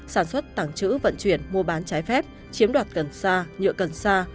sản xuất tảng trữ vận chuyển mua bán trái phép chiếm đoạt cần xa nhựa cần xa